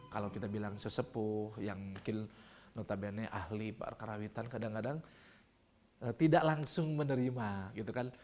kalau kita bilang sesepuh yang mungkin notabene ahli karawitan kadang kadang tidak langsung menerima gitu kan